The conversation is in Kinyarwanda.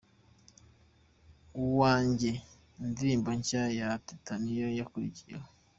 Uwanjye’ indirimbo nshya ya Teta niyo yakurikijeho.